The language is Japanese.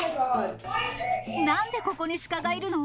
なんでここにシカがいるの？